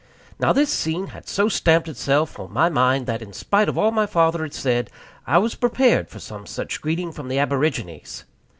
Now this scene had so stamped itself on my mind, that, in spite of all my father had said, I was prepared for some such greeting from the aborigines.